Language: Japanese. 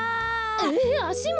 えあしも！？